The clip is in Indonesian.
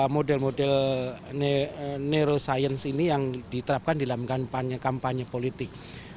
model model neuroscience ini yang diterapkan dalam kampanye kampanye politik